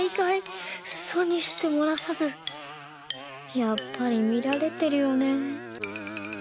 やっぱりみられてるよねぇ。